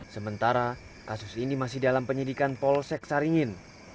sementara kasus ini masih dalam penyidikan polsek saringin